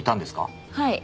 はい。